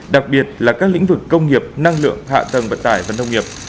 đặc biệt là các lĩnh vực công nghiệp năng lượng hạ tầng vận tải và nông nghiệp